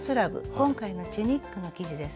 今回のチュニックの生地です。